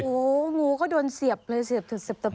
โอ้โหงูก็โดนเสียบเลยเสียบถึงเสียบตะปูอ่ะ